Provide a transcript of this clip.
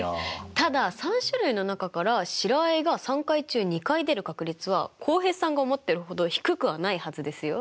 ただ３種類の中から白あえが３回中２回出る確率は浩平さんが思ってるほど低くはないはずですよ。